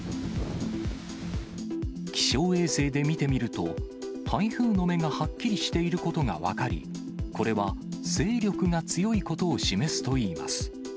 気象衛星で見てみると、台風の目がはっきりしていることが分かり、これは勢力が強いことを示すといいます。